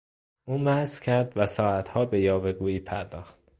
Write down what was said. او مست کرد و ساعتها به یاوه گویی پرداخت.